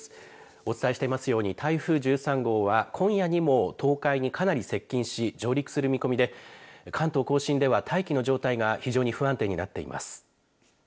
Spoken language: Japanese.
お伝えしていますように台風１３号は今夜にも東海に、かなり接近し上陸する見込みで関東甲信では大気の状態が非常に不安定になっています。